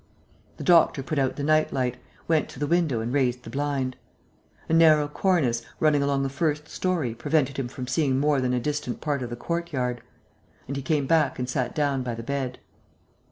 The doctor put out the night light, went to the window and raised the blind. A narrow cornice, running along the first story, prevented him from seeing more than a distant part of the courtyard; and he came back and sat down by the bed.